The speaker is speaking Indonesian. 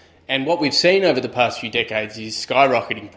dan apa yang kita lihat dalam beberapa dekade yang lalu adalah harga tinggi tertinggi